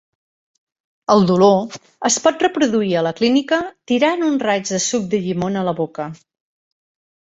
El dolor es pot reproduir a la clínica tirant un raig de suc de llimona a la boca.